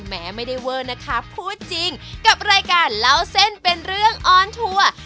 แม้ไม่ได้เวอร์นะคะพูดจริงกับรายการเล่าเส้นเป็นเรื่องออนทัวร์